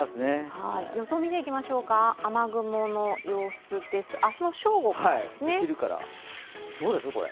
予想を見ていきましょうか、雨雲の様子です、明日の正午からですね。